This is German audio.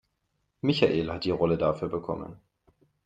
Michael hat die Rolle dafür bekommen.